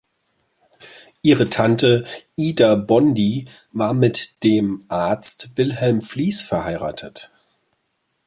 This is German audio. Ihre Tante Ida Bondy war mit dem Arzt Wilhelm Fließ verheiratet.